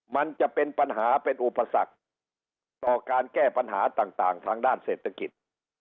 มันจะเป็นปัญหาเป็นอุปสรรคต่อการแก้ปัญหาต่างทางด้านเศรษฐกิจ